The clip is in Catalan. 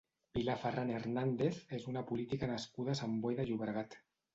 Pilar Ferran Hernández és una política nascuda a Sant Boi de Llobregat.